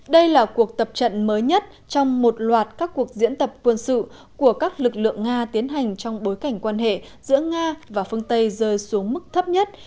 đây là cuộc tập trận mới nhất trong một loạt các cuộc diễn tập quân sự của các lực lượng nga tiến hành trong bối cảnh quan hệ giữa nga và phương tây rơi xuống mức thấp nhất